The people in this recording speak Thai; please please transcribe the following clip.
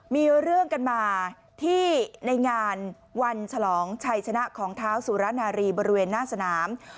มีเรื่องกันมาที่ในงานวันฉลองชัยชนะของเท้าสุรนารีบริเวณหน้าสนาม